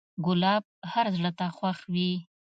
ګلاب هر زړه ته خوښ وي.